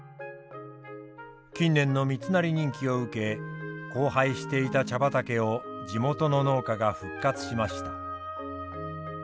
近年の三成人気を受け荒廃していた茶畑を地元の農家が復活しました。